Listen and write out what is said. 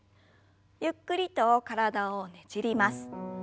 ゆっくりと体をねじります。